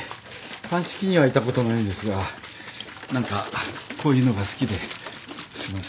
鑑識にはいたことないんですが何かこういうのが好きですいません。